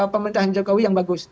pemerintahan jokowi yang bagus